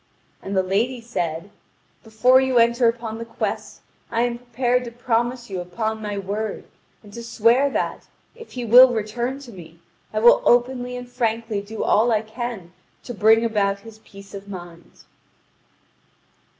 And the lady said: "Before you enter upon the quest, I am prepared to promise you upon my word and to swear that, if he will return to me, I will openly and frankly do all I can to bring about his peace of mind."